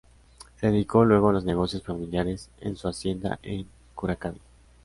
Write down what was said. Se dedicó luego a los negocios familiares en su hacienda en Curacaví.